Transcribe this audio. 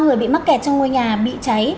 ba người bị mắc kẹt trong ngôi nhà bị cháy